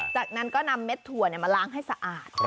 จากนั้นก็นำเม็ดถั่วมาล้างให้สะอาด